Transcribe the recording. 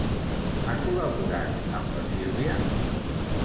Ha col·laborat amb la Sílvia?